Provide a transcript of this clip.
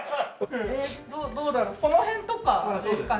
どうだろうこの辺とかですかね。